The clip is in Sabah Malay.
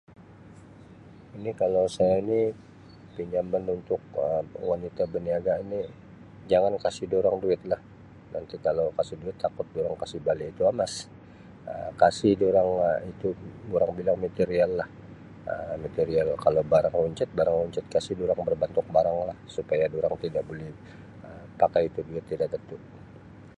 Ini kalau saya ini pinjaman untuk Um wanita berniaga ini, jangan kasi durang duit lah nanti kalau kasi duit takut durang kasi bali itu amas Um. Kasi durang Um durang bilang material lah Um material. Kalau barang runcit, barang runcit. Kasi durang berbantuk barang lah supaya durang tidak boleh Um pakai itu duit tidak betul.